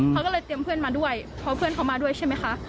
เขาก็เลยเตรียมเพื่อนมาด้วยเพราะเพื่อนเขามาด้วยใช่ไหมคะ